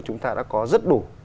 chúng ta đã có rất đủ